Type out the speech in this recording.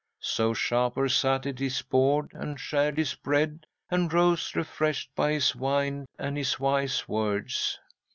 "'So Shapur sat at his board and shared his bread, and rose refreshed by his wine and his wise words.